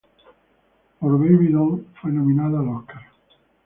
Por "Baby Doll" fue nominada al Óscar.